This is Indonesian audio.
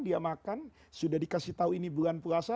dia makan sudah dikasih tahu ini bulan puasa